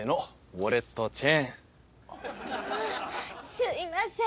すいません